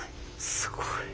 すごい。